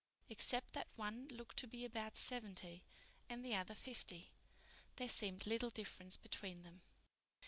Except that one looked to be about seventy and the other fifty, there seemed little difference between them.